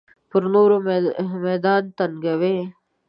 پر نورو میدان تنګوي.